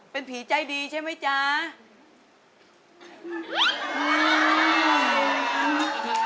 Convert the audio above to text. เป็นเรื่องราวของแม่นาคกับพี่ม่าครับ